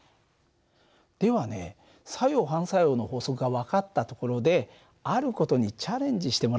ではね作用・反作用の法則が分かったところである事にチャレンジしてもらおうかな。